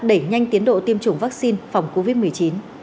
đẩy nhanh tiến độ tiêm chủng vaccine phòng covid một mươi chín